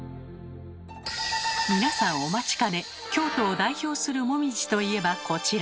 皆さんお待ちかね京都を代表するもみじと言えばこちら。